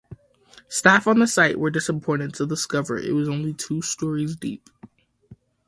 Staff on site were disappointed to discover that it was only two storeys deep.